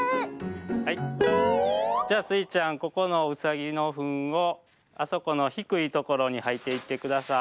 じゃあスイちゃんここのうさぎのふんをあそこのひくいところにはいていってください。